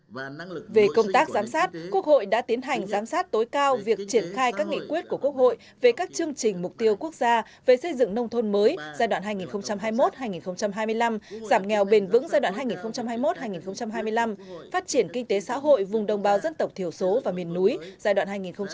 về công tác giám sát quốc hội đã tiến hành giám sát tối cao việc triển khai các nghị quyết của quốc hội về các chương trình mục tiêu quốc gia về xây dựng nông thôn mới giai đoạn hai nghìn hai mươi một hai nghìn hai mươi năm giảm nghèo bền vững giai đoạn hai nghìn hai mươi một hai nghìn hai mươi năm phát triển kinh tế xã hội vùng đồng bào dân tộc thiểu số và miền núi giai đoạn hai nghìn hai mươi một hai nghìn ba mươi